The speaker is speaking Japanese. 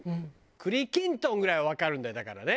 栗きんとんぐらいはわかるんだよだからね。